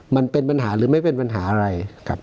มันเป็นปัญหาหรือไม่เป็นปัญหาอะไรกับ